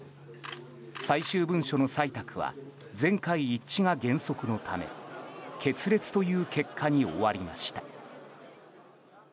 最終文書の採択は全会一致が原則のため決裂という結果に終わりました。